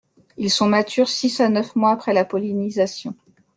Ils sont matures six à neuf mois après la pollinisation.